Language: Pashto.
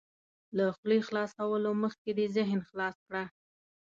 له خولې خلاصولو مخکې دې ذهن خلاص کړه.